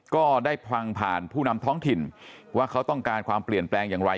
ก็ได้พลังผ่านผู้นำท้องถิ่นว่าเขาต้องการความเปลี่ยนแปลงอย่างไร